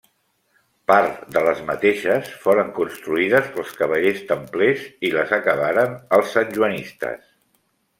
Part de les mateixes foren construïdes pels cavallers templers i les acabaren els Santjoanistes.